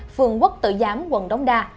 phường quốc tự giám quận đông đa